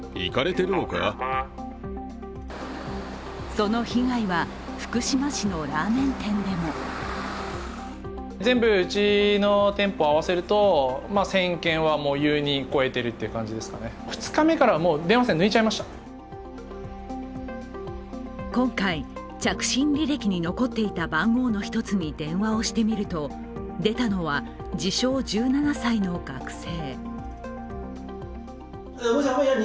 その被害は福島市のラーメン店でも今回、着信履歴に残っていた番号の１つに電話をしてみると出たのは自称・１７歳の学生。